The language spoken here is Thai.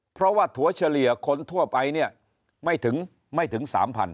เพราะว่าถั่วเฉลี่ยคนทั่วไปไม่ถึง๓๐๐๐